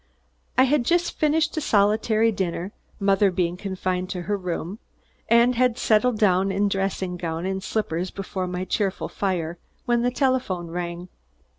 I had just finished a solitary dinner mother being confined to her room and had settled down in dressing gown and slippers before my cheerful fire, when the telephone rang.